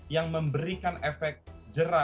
yang memberikan efek jera